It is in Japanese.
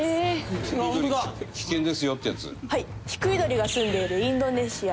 ヒクイドリが棲んでいるインドネシア